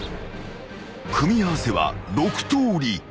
［組み合わせは６とおり］